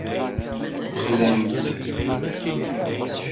Qqlent.